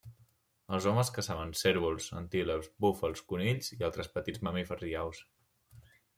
Els homes caçaven cérvols, antílops, búfals, conills i altres petits mamífers i aus.